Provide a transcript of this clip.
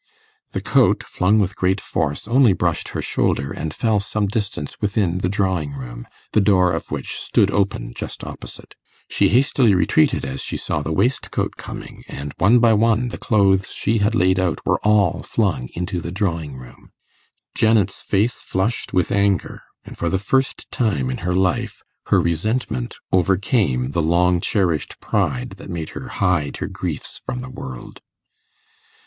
The coat, flung with great force, only brushed her shoulder, and fell some distance within the drawing room, the door of which stood open just opposite. She hastily retreated as she saw the waistcoat coming, and one by one the clothes she had laid out were all flung into the drawing room. Janet's face flushed with anger, and for the first time in her life her resentment overcame the long cherished pride that made her hide her griefs from the world.